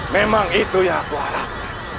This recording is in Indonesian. memang itu yang aku harapkan